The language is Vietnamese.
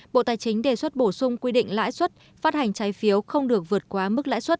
bộ tài chính đề xuất bổ sung quy định lãi suất phát hành trái phiếu không được vượt quá mức lãi suất